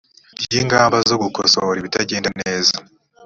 ry ingamba zo gukosora ibitagenda neza